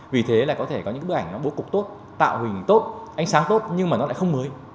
vì thế là có thể có những bức ảnh nó bố cục tốt tạo hình tốt ánh sáng tốt nhưng mà nó lại không mới